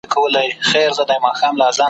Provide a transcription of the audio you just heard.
هم یې بوی هم یې لوګی پر ځان منلی ,